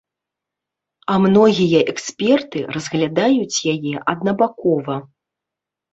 А многія эксперты разглядаюць яе аднабакова.